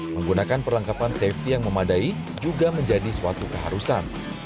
menggunakan perlengkapan safety yang memadai juga menjadi suatu keharusan